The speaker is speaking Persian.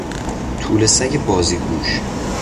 توله سگ بازیگوش